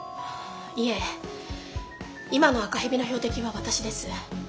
いえ今の赤蛇の標的は私です。